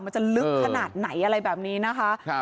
มันจะลึกขนาดไหนอะไรแบบนี้นะคะ